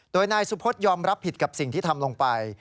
โดยนายสุพธยอมรับผิดกับสิ่งที่ทำลงไป